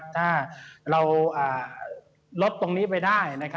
ถ้าเราลดตรงนี้ไปได้